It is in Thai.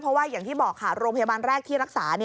เพราะว่าอย่างที่บอกค่ะโรงพยาบาลแรกที่รักษา